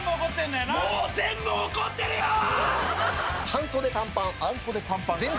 半袖短パン、あんこでパンパン。